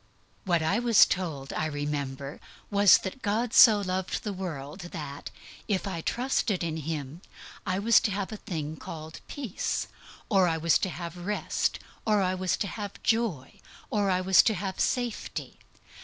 What I was told, I remember, was, that God so loved the world that, if I trusted in Him, I was to have a thing called peace, or I was to have rest, or I was to have joy, or I was to have safety.